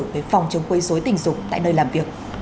về phòng chống quấy dối tình dục tại nơi làm việc